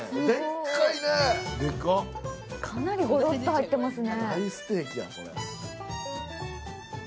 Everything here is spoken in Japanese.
かなりゴロッと入ってますね。